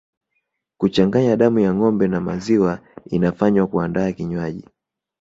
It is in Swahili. Kuchanganya damu ya ngombe na maziwa inafanywa kuandaa kinywaji